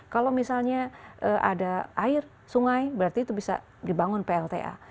kalau misalnya ada air sungai berarti itu bisa dibangun plta